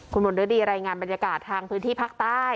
คุณมนฤดีรายงานบรรยากาศทางพื้นที่ภาคใต้